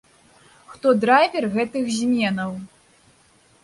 Хто драйвер гэтых зменаў?